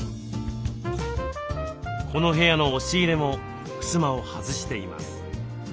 この部屋の押し入れもふすまを外しています。